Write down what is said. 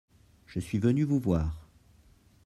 je suis venu vous voir.